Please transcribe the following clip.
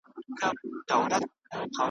وو ریښتونی په ریشتیا په خپل بیان کي .